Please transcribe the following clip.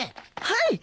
はい！